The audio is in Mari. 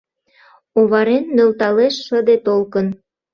Оварен нӧлталтеш шыде толкын